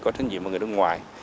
có trách nhiệm ở nước ngoài